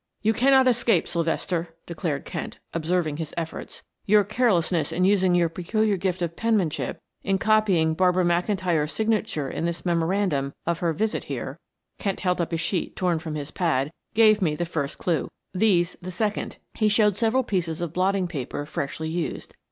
"You cannot escape, Sylvester," declared Kent, observing his efforts. "Your carelessness in using your peculiar gift of penmanship in copying Barbara McIntyre's signature in this memorandum of her visit here" Kent held up a sheet torn from his pad, "gave me the first clew. These, the second," he showed several pieces of blotting paper freshly used.